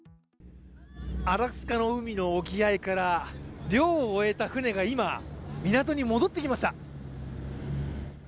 アラスカの海の沖合から漁を終えた船が今、港に戻ってきました。